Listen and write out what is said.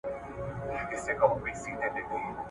موږ له سدیو ګمراهان یو اشنا نه سمیږو ,